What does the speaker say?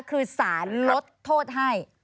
คือสารลดโทษให้